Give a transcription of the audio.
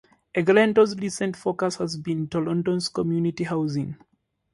Eggleton's recent focus has been Toronto's community housing.